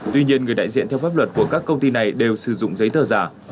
tuy nhiên người đại diện theo pháp luật của các công ty này đều sử dụng giấy tờ giả